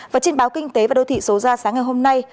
và trên báo kinh tế và đô thị số ra sáng ngày hôm nay